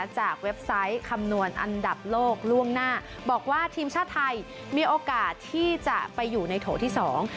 เว็บไซต์คำนวณอันดับโลกล่วงหน้าบอกว่าทีมชาติไทยมีโอกาสที่จะไปอยู่ในโถที่สอง